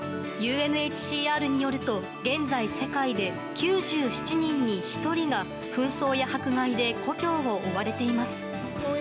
ＵＮＨＣＲによると現在、世界で９７人に１人が紛争や迫害で故郷を追われています。